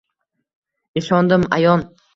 Ishondim — ayon —